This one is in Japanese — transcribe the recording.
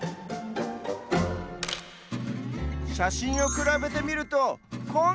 しゃしんをくらべてみるとこんなにちがう！